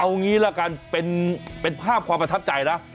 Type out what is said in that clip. เอางี้ละกันเป็นภาพความประทับใจนะ